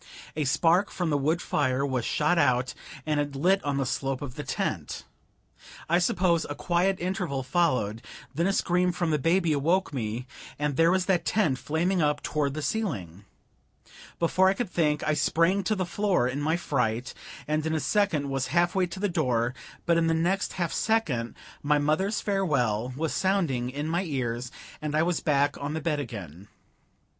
A spark from the wood fire was shot out, and it lit on the slope of the tent. I suppose a quiet interval followed, then a scream from the baby awoke me, and there was that tent flaming up toward the ceiling! Before I could think, I sprang to the floor in my fright, and in a second was half way to the door; but in the next half second my mother's farewell was sounding in my ears, and I was back on the bed again.